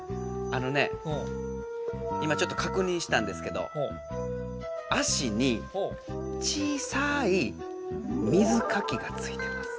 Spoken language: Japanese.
あのね今ちょっとかくにんしたんですけど足に小さい水かきがついてます。